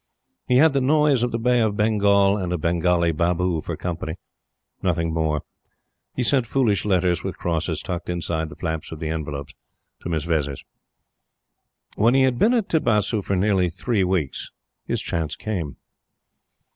He had the noise of the Bay of Bengal and a Bengali Babu for company; nothing more. He sent foolish letters, with crosses tucked inside the flaps of the envelopes, to Miss Vezzis. When he had been at Tibasu for nearly three weeks his chance came.